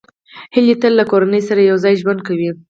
هیلۍ تل له کورنۍ سره یوځای ژوند کوي